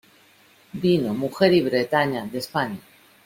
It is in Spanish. vino, mujer y Bretaña , de España.